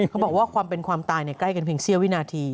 เขาบอกว่าความเป็นความตายใกล้กันเพียงเสี้ยวินาที